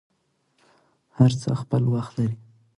هر څه خپل وخت لري.